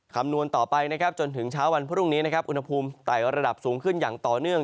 คำนวณต่อไปนะครับจนถึงเช้าวันพรุ่งนี้นะครับอุณหภูมิไต่ระดับสูงขึ้นอย่างต่อเนื่อง